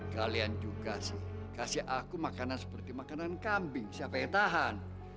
kalian juga sih kasih aku makanan seperti makanan kambing siapa ya tahan